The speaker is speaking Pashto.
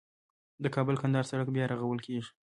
د کابل - کندهار سړک بیا رغول کیږي